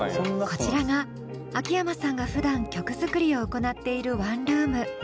こちらが秋山さんがふだん曲作りを行っているワンルーム。